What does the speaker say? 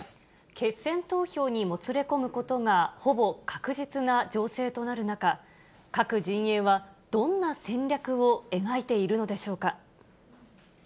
決選投票にもつれ込むことがほぼ確実な情勢となる中、各陣営はどんな戦略を描いているのでしょうか。